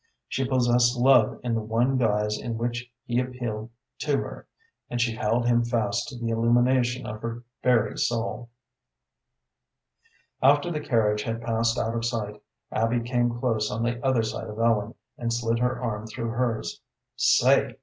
She possessed love in the one guise in which he appealed to her, and she held him fast to the illumination of her very soul. After the carriage had passed out of sight Abby came close on the other side of Ellen and slid her arm through hers. "Say!"